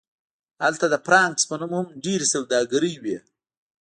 هلته د فرانکس په نوم هم ډیرې سوداګرۍ وې